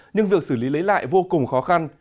nhưng việc xử lý lấy lại vô cùng khó khăn